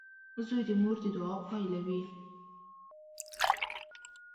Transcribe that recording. • زوی د مور د دعا پایله وي.